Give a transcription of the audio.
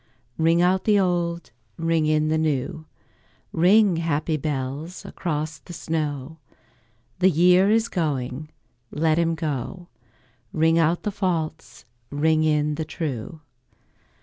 Ring out the old, ring in the new, Ring, happy bells, across the snow: The year is going, let him go; Ring out the false, ring in the true.